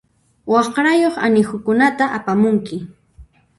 Waqrayuq anihukunata apamunki.